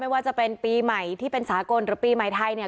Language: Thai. ไม่ว่าจะเป็นปีใหม่ที่เป็นสากนรับปีใหม่ไทย